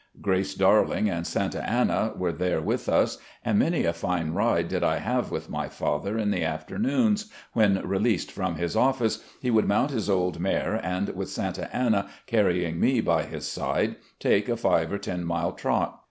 "Grace Darling" and " Santa Anna" were there with us, and many a fine ride did I have with my father in the afternoons, when, released from his office, he would moimt his old mare and, with Santa Anna carrying me by his side, take a five or ten mile trot.